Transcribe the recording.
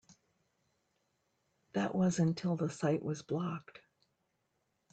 That was until the site was blocked.